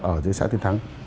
ở dưới xã tuyên thắng